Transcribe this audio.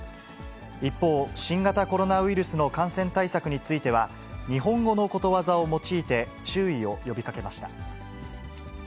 一方、新型コロナウイルスの感染対策については、日本語のことわざを用いて、注意を呼びかけました。